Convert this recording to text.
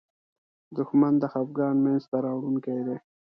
دښمن د خپګان مینځ ته راوړونکی دی